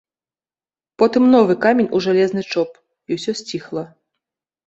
Потым новы камень у жалезны чоп, і ўсё сціхла.